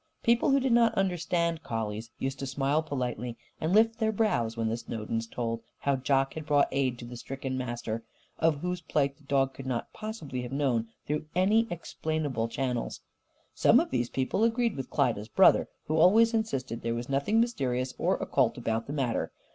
People who did not understand collies used to smile politely and lift their brows when the Snowdens told how Jock had brought aid to the stricken master, of whose plight the dog could not possibly have known through any explainable channels. Some of these people agreed with Klyda's brother, who always insisted there was nothing mysterious or occult about the matter.